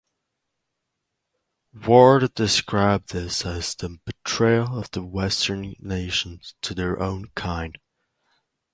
Ward described this as the betrayal of western nations to their own kind.